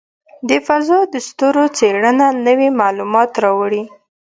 د فضاء د ستورو څېړنه نوې معلومات راوړي.